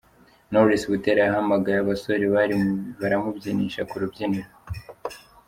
Knowless Butera yahamagaye abasore baramubyinisha ku rubyiniro.